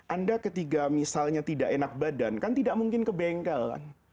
anda ketika misalnya tidak enak badan kan tidak mungkin kebengkel kan